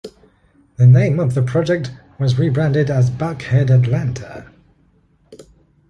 The name of the project was rebranded as 'Buckhead Atlanta'.